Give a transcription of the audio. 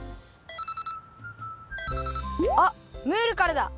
あっムールからだ。